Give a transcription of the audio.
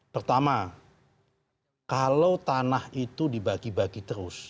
pertama kalau tanah itu dibagi bagi terus